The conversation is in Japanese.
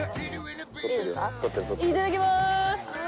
いただきます！